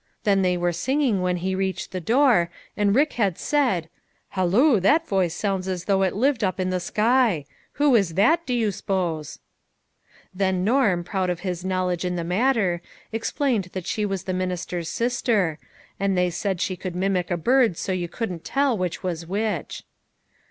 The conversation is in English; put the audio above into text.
Then they were singing when he reached the door, and Rick had said, " Hallo ! that voice sounds as though it lived up in the skyi Who is that, do you s'pose V " Then Norm proud of his knowledge in the matter, explained that she was the minister's sister, and they said she could mimic a bird so you couldn't tell which was which.